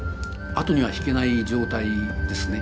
後には引けない状態ですね。